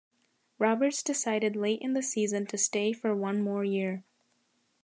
Roberts decided late in the season to stay for one more year.